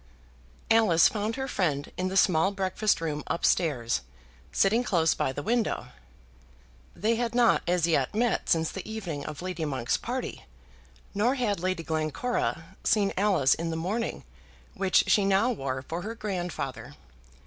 Alice found her friend in the small breakfast room up stairs, sitting close by the window. They had not as yet met since the evening of Lady Monk's party, nor had Lady Glencora seen Alice in the mourning which she now wore for her grandfather.